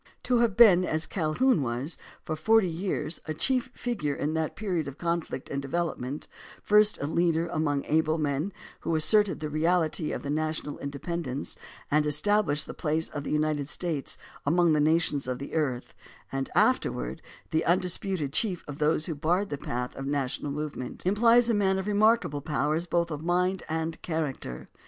To have been, as Calhoun was, for forty years a chief figure in that period of conflict and development — first a leader among the able men who asserted the reality of the national independence and established the place of the United States among the nations of the earth, and afterward the undisputed chief of those who barred the path of the national movement — implies a man of remarkable powers both of mind and character.